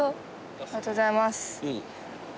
ありがとうございます。